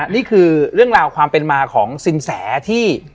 นี่คือเรื่องราวความเป็นมาของสินแสที่